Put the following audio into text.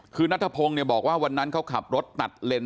คือนัทธพงค์บอกวว่าวันนั้นเขาขับรถตัดเลน